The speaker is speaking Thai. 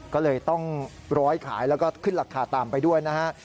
ก็เลยต้องร้อยขายแล้วก็ขึ้นราคาตามไปด้วยนะฮะ